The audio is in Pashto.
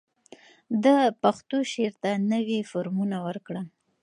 ده پښتو شعر ته نوي فورمونه ورکړل